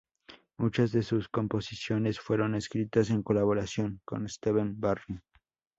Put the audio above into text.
Muchas de sus composiciones fueron escritas en colaboración con Steve Barri.